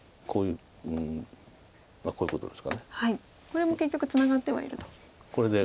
これも結局ツナがってはいるということで。